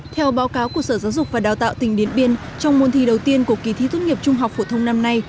theo báo cáo của sở giáo dục và đào tạo tỉnh điến biên trong môn thi đầu tiên của kỳ thi tốt nghiệp trung học phổ thông năm nay